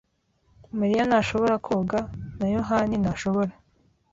Mariya ntashobora koga, na Yohana ntashobora.